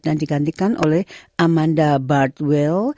dan digantikan oleh amanda bardwell